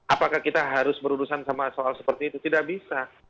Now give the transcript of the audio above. apakah kita harus berurusan sama soal seperti itu tidak bisa